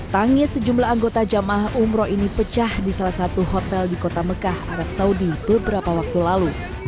tangis sejumlah anggota jamaah umroh ini pecah di salah satu hotel di kota mekah arab saudi beberapa waktu lalu